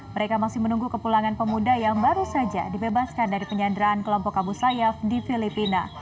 mereka masih menunggu kepulangan pemuda yang baru saja dibebaskan dari penyanderaan kelompok abu sayyaf di filipina